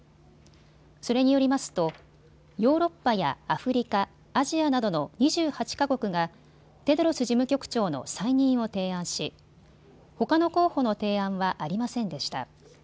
それによりますとヨーロッパやアフリカ、アジアなどの２８か国がテドロス事務局長の再任を提案しほかの候補の提案はありませんでした。